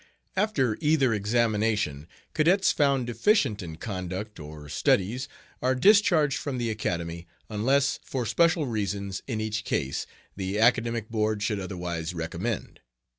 After either examination cadets found deficient in conduct or studies are discharged from the Academy, unless, for special reasons in each case, the Academic Board should otherwise recommend.